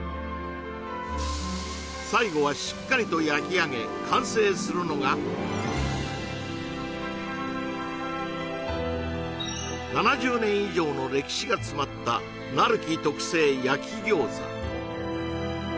最後はしっかりと焼きあげ完成するのが７０年以上の歴史が詰まった成喜特製焼き餃子